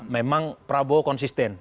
memang prabowo konsisten